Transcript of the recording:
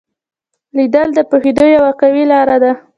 لیدل د پوهېدو یوه قوي لار ده